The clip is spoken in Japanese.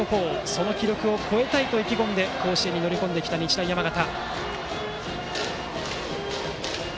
その記録を超えたいと意気込んで甲子園に乗り込んできた日大山形。